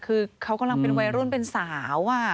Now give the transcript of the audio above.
ครูก็เลยบังคับให้ถอดชุดชั้นในออกค่ะ